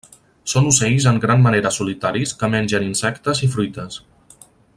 Són ocells en gran manera solitaris que mengen insectes i fruites.